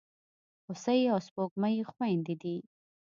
هوسۍ او سپوږمۍ خوېندي دي.